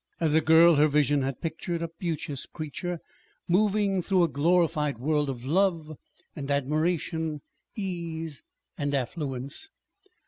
As a girl, her vision had pictured a beauteous creature moving through a glorified world of love and admiration, ease and affluence.